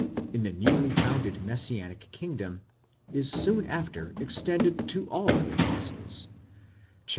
in the newly founded Messianic kingdom, is soon after extended to all the apostles (xviii.